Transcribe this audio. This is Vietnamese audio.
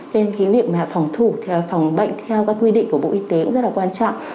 nên cái việc mà phòng thủ phòng bệnh theo các quy định của bộ y tế cũng rất là quan trọng